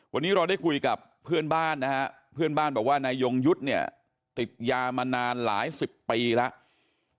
วันนี้เราได้คุยกับเพื่อนบ้านนะฮะเพื่อนบ้านบอกว่านายยงยุทธ์เนี่ยติดยามานานหลายสิบปีแล้ว